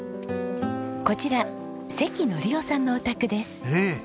こちら関紀夫さんのお宅です。